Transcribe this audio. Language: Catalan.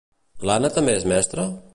L'Ana també és mestra?